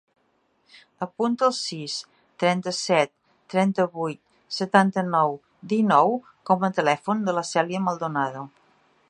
Apunta el sis, trenta-set, trenta-vuit, setanta-nou, dinou com a telèfon de la Cèlia Maldonado.